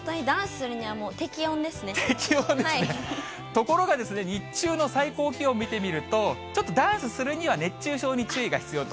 ところが、日中の最高気温見てみると、ちょっとダンスするには熱中症に注意が必要と。